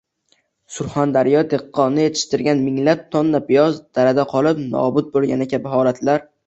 Surxondaryo dehqoni yetishtirgan minglab tonna piyoz dalada qolib nobud bo‘lgani kabi holatlar